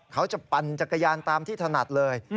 ปั่นจักรยานตามที่ถนัดเลย